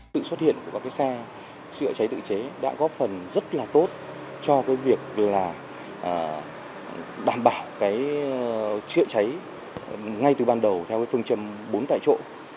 sự xuất hiện của các xe chữa cháy tự chế đã góp phần rất là tốt cho việc đảm bảo chữa cháy ngay từ ban đầu theo phương châm bốn tại chỗ